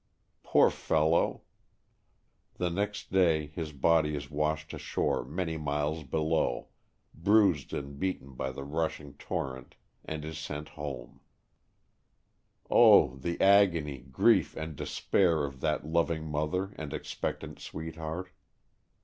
Poor fellow ! The next day his body is washed ashore many miles below, bruised and beaten by the rushing tor 118 Stories from the Adirondacks* rent, and is sent home. Oh! the agony, grief and despair of that loving mother and expectant sweetheart.